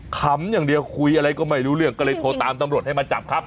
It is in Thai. คำอย่างเดียวคุยอะไรก็ไม่รู้เรื่องก็เลยโทรตามตำรวจให้มาจับครับ